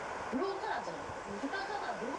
West High School's mascot is the Blue Knight.